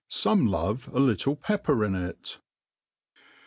Some love a little pepper in it.